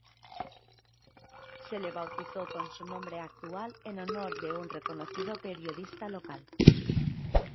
Se le bautizó con su nombre actual en honor de un reconocido periodista local.